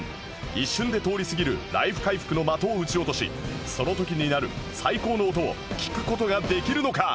一瞬で通りすぎるライフ回復の的を撃ち落としその時に鳴る最高の音を聴く事ができるのか？